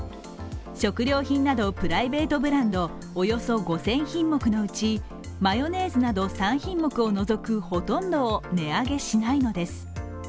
食料品などプライベートブランドおよそ５０００品目のうちマヨネーズなど３品目を除くほとんどを値上げしないのです。